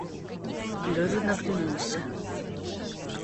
Левин оглянулся.